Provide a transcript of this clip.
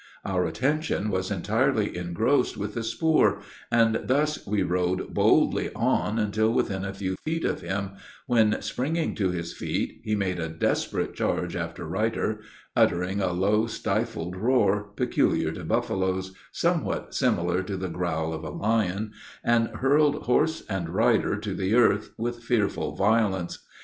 ] Our attention was entirely engrossed with the spoor, and thus we rode boldly on until within a few feet of him, when, springing to his feet, he made a desperate charge after Ruyter, uttering a low, stifled roar, peculiar to buffaloes, (somewhat similar to the growl of a lion,) and hurled horse and rider to the earth with fearful violence.